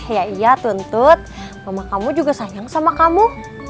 ya iya tuntut mama kamu juga sayang sama kamu